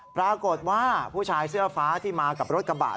ปรากฏว่าผู้ชายเสื้อฟ้าที่มากับรถกระบะ